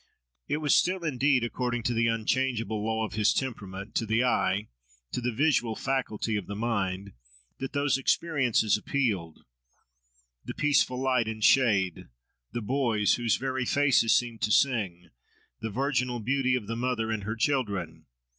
It was still, indeed, according to the unchangeable law of his temperament, to the eye, to the visual faculty of mind, that those experiences appealed—the peaceful light and shade, the boys whose very faces seemed to sing, the virginal beauty of the mother and her children.